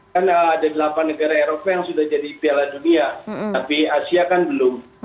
karena ada delapan negara eropa yang sudah jadi piala dunia tapi asia kan belum